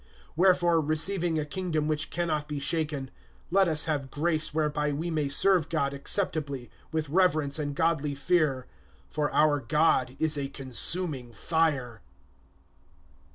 (28)Wherefore, receiving a kingdom which can not be shaken, let us have grace whereby we may serve God acceptably, with reverence and godly fear; (29)for our God is a consuming fire.